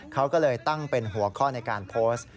เขาก็เลยตั้งเป็นหัวข้อในการโพสต์